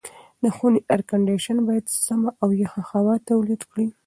د خونې اېرکنډیشن باید سمه او یخه هوا تولید کړي.